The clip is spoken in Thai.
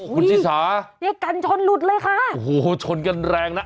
โอ้วเจ๊กันชนหลุดเลยค่ะโอ้โหชนกันแรงนะ